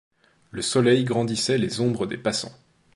Le soleil grandissait les ombres des passants